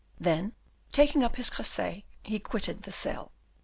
Then, taking up his cresset, he quitted the cell.